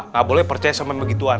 nggak boleh percaya sama begituan